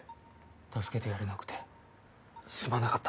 助けてやれなくてすまなかった。